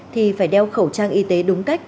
thì phải đeo khẩu trang y tế đúng cách